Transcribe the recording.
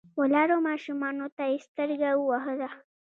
ولاړو ماشومانو ته يې سترګه ووهله.